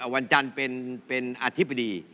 วันจันทร์เป็นอธิบดี